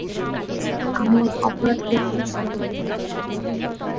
আমি অপরাধ করে ফেলেছি।